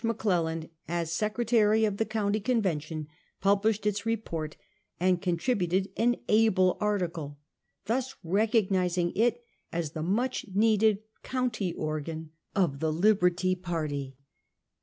Mc Clelland, as secretary of the county convention, pub lished its report and contributed an able article, thus recognizing it as the much needed county organ of the Liberty Party.